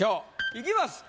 いきます。